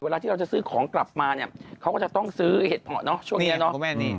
ที่เราจะซื้อของกลับมาเนี่ยเขาก็จะต้องซื้อเห็ดเพาะเนาะช่วงนี้เนาะ